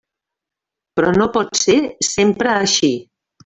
Però no pot ser sempre així.